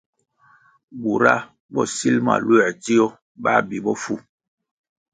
Bura bo sil ma luē dzio, bā bi bofu.